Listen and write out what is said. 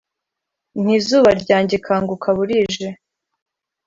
Nti"zuba ryange kanguka burije"